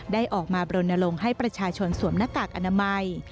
ได้ออกมาบรนลงให้ประชาชนสวมหน้ากากอนามัย